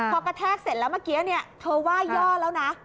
พอกระแทกเสร็จแล้วเมื่อกี้เธอไหว้ย่อแล้วนะ